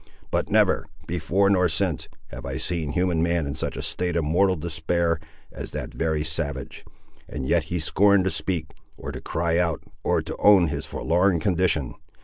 But never, before nor since, have I seen human man in such a state of mortal despair as that very savage; and yet he scorned to speak, or to cry out, or to own his forlorn condition!